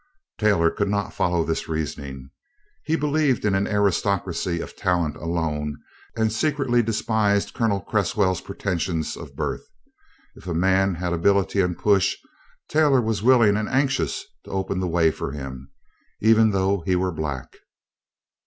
Taylor could not follow this reasoning. He believed in an aristocracy of talent alone, and secretly despised Colonel Cresswell's pretensions of birth. If a man had ability and push Taylor was willing and anxious to open the way for him, even though he were black.